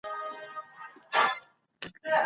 زه به سبا د نوټونو يادونه کوم وم.